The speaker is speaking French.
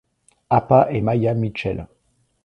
Apa et Maia Mitchell.